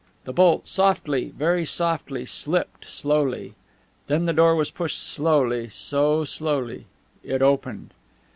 The bolt softly, very softly, slipped slowly. Then the door was pushed slowly, so slowly. It opened.